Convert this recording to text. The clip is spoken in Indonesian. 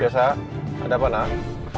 biasa ada apa nak